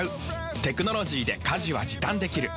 テクノロジーで家事は時短できる。